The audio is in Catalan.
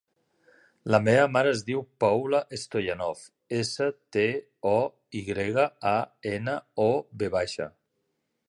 La meva mare es diu Paula Stoyanov: essa, te, o, i grega, a, ena, o, ve baixa.